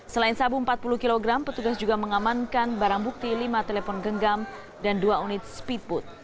selain sabu empat puluh kg petugas juga mengamankan barang bukti lima telepon genggam dan dua unit speedboat